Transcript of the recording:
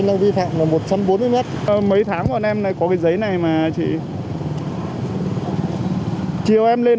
đây tính theo tiếng